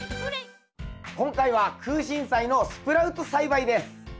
今回はクウシンサイのスプラウト栽培です。